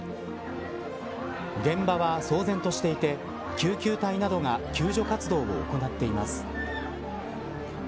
現場は騒然としていて救急隊などが救助活動を行っています。